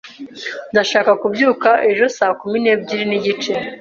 Ndashaka kubyuka ejo saa kumi n'ebyiri n'igice.